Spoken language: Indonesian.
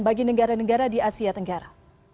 bagi negara negara di asia tenggara